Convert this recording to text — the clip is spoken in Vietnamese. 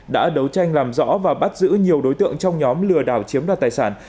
đã đấu tranh làm rõ và bắt giữ nhiều đối tượng trong nhóm lừa đảo chiếm đoạt tài sản